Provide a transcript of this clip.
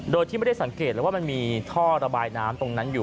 โดยที่ไม่ได้สังเกตเลยว่ามันมีท่อระบายน้ำตรงนั้นอยู่